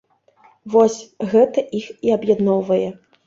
Вось, гэта іх і аб'ядноўвае.